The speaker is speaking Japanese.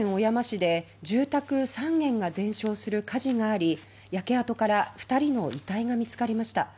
今日未明、栃木県小山市で住宅３軒が全焼する火事があり焼け跡から２人の遺体が見つかりました。